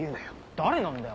誰なんだよ？